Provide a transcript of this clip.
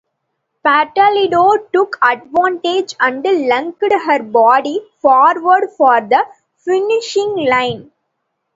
Patoulidou took advantage and lunged her body forward for the finishing line.